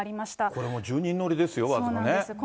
これも１０人乗りですよ、僅かね。